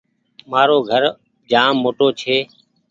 مآرو گھر جآم موٽو ڇي